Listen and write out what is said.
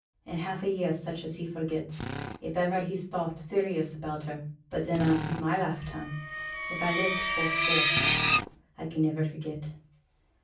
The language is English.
In half a year such as he forgets, if iver he's thought serious about her; but in a' my lifetime, if I live to fourscore, I can niver forget.